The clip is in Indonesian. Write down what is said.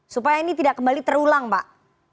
supaya ini tidak kembali terulang pak